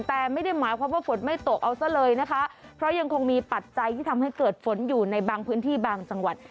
แต่ไม่ได้หมายความว่าฝนไม่ตกเอาซะเลยนะคะเพราะยังคงมีปัจจัยที่ทำให้เกิดฝนอยู่ในบางพื้นที่บางจังหวัด